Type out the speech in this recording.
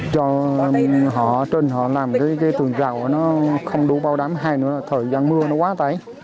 cho họ ở trên họ làm cái cái tường rào nó không đủ bao đám hay nữa là thời gian mưa nó quá tấy